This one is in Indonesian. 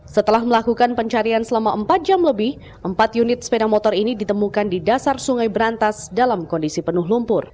setelah melakukan pencarian selama empat jam lebih empat unit sepeda motor ini ditemukan di dasar sungai berantas dalam kondisi penuh lumpur